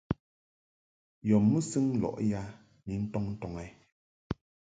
Yɔ mɨsɨŋ lɔʼ ya ni ntɔŋ ndɔŋ ɛ ?